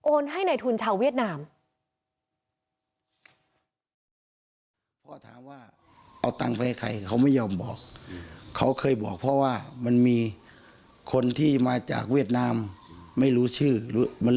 ให้ในทุนชาวเวียดนาม